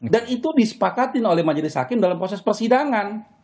dan itu disepakatin oleh majelis hakim dalam proses persidangan